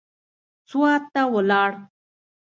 سوات ته ولاړ.